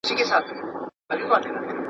هغه خو مـي د زړه پـاچـا دی